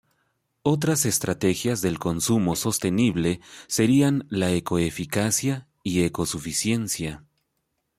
Otras estrategias del consumo sostenible serían la eco-eficacia y eco-suficiencia.